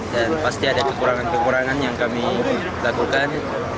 dan pasti ada kekurangan kekurangan yang kami lakukan